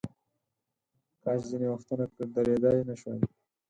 کاش ځینې وختونه که درېدای نشوای.